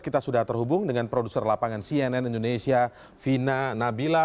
kita sudah terhubung dengan produser lapangan cnn indonesia vina nabila